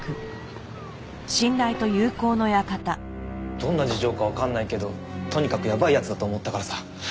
どんな事情かわかんないけどとにかくやばい奴だと思ったからさ。